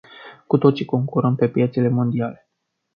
Cu toții concurăm pe piețele mondiale.